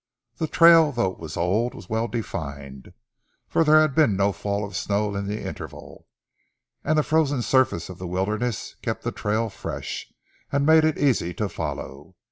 The trail, though it was old, was well defined, for there had been no fall of snow in the interval, and the frozen surface of the wilderness kept the trail fresh, and made it easy to follow.